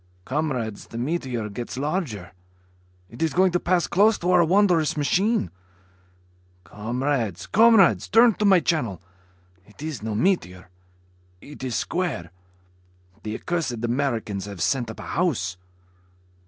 Comrades, the meteor gets larger. It is going to pass close to our wondrous machine. Comrades ... Comrades ... turn to my channel. It is no meteor it is square. The accursed Americans have sent up a house.